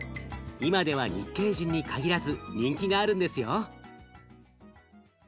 今では日系人に限らず人気があるんですよ。